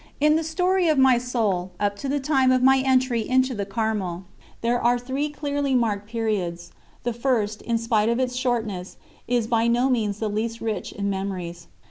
In the story of my soul, up to the time of my entry into the Carmel, there are three clearly marked periods: the first, in spite of its shortness, is by no means the least rich in memories.